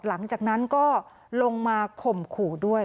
หลังจากนั้นก็ลงมาข่มขู่ด้วย